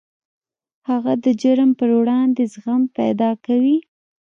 هغه د جرم پر وړاندې زغم پیدا کوي